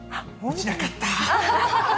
うち、なかった。